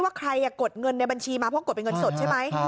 ว่าใครกดเงินในบัญชีมาเพราะกดเป็นเงินสดใช่ไหม